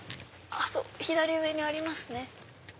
左上にありますね。